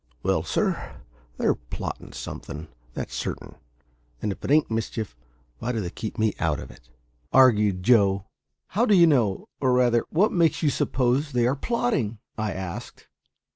"Well, sir, they're plottin' something, that's certain; and if it ain't mischief, why do they keep me out of it?" argued Joe. "How do you know or rather, what makes you suppose they are plotting?" I asked.